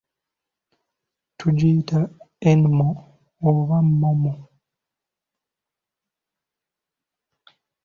Tugiyita enmo oba mmommo.